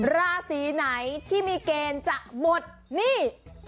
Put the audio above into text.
ราศีไหนที่มีเกณฑ์จะหมดหนี้